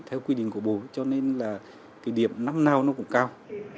theo quy định của bộ cho nên là cái điểm năm nào nó cũng cao